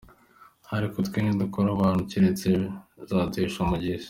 Ariko twe ni dukora ibyo abantu baretse, bizaduhesha umugisha.